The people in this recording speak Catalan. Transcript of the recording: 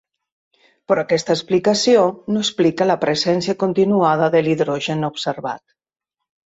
Però aquesta explicació no explica la presència continuada de l'hidrogen observat.